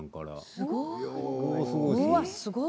すごい。